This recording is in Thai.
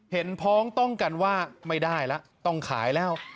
พ้องต้องกันว่าไม่ได้แล้วต้องขายแล้ว